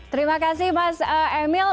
terima kasih mas emil